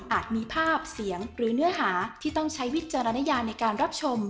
มีภาพเสียงหรือเนื้อหาที่ต้องใช้วิจารณญาในการรับชม